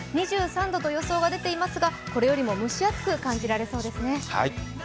２３度と予想は出ていますがこれよりも蒸し暑く感じると思います。